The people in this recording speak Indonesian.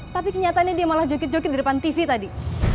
tapi kenyataannya dia malah jokit jokit di depan tv tadi